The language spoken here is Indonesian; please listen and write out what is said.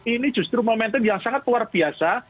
ini justru momentum yang sangat luar biasa